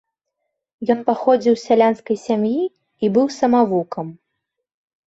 Ён паходзіў з сялянскай сям'і і быў самавукам.